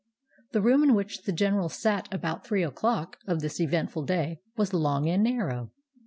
The room in which the general sat about three o'clock of this eventful day was long and narrow.